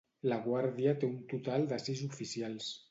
La Guàrdia té un total de sis oficials.